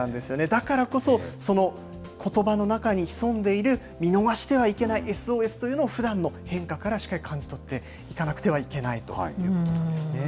だからこそ、そのことばの中に潜んでいる見逃してはいけないＳＯＳというのを、ふだんの変化からしっかり感じ取っていかなくてはいけないということなんですね。